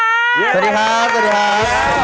สวัสดีครับ